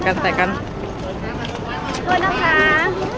สุดท้ายเท่าไหร่สุดท้ายเท่าไหร่